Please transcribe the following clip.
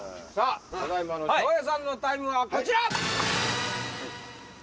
ただ今の笑瓶さんのタイムはこちら！